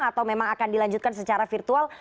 atau memang akan dilanjutkan secara virtual